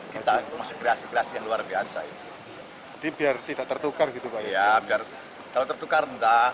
kita kreasi kreasi yang luar biasa itu di biar tidak tertukar gitu ya biar kalau tertukar enggak